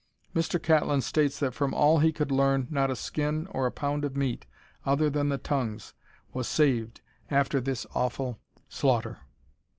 Mr. Catlin states that from all that he could learn not a skin or a pound of meat, other than the tongues, was saved after this awful slaughter.